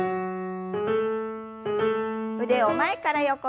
腕を前から横に。